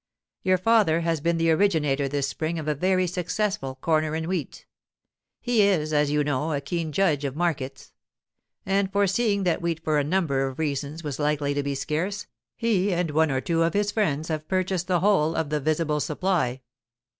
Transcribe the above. Your father has been the originator this spring of a very successful corner in wheat. He is, as you know, a keen judge of markets; and foreseeing that wheat for a number of reasons was likely to be scarce, he and one or two of his friends have purchased the whole of the visible supply.